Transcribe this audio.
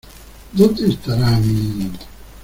¿ Dónde estará mi...?